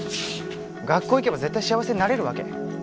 学校行けば絶対幸せになれるわけ？